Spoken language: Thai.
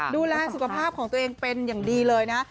ดูแลสุขภาพของตัวเองเป็นอย่างดีเลยนะ